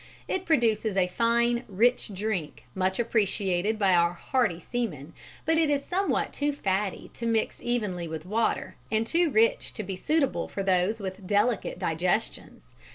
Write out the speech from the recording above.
It produces a fine rich drink much appreciated by our hardy seamen, but it is somewhat too fatty to mix evenly with water, and too rich to be suitable for those with delicate digestions.